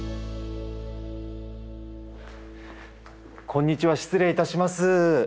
こんにちは失礼いたします。